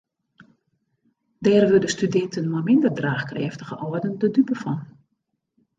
Dêr wurde studinten mei minder draachkrêftige âlden de dupe fan.